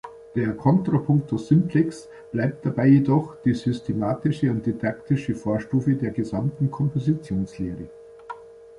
Der "contrapunctus simplex" bleibt dabei jedoch die systematische und didaktische Vorstufe der gesamten Kompositionslehre.